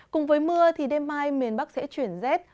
cùng với mưa thì đêm mai miền bắc sẽ chuyển rét